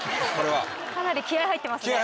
かなり気合入ってますね。